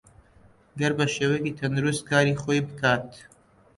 ئەگەر بەشێوەیەکی تەندروست کاری خۆی بکات